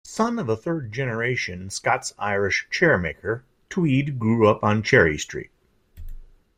Son of a third-generation Scots-Irish chair-maker, Tweed grew up on Cherry Street.